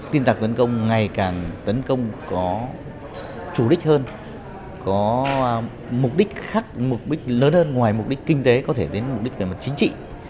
tin tặc tấn công ngày càng tấn công có chủ đích hơn có mục đích khác mục đích lớn hơn ngoài mục đích kinh tế có thể đến mục đích về mặt chính trị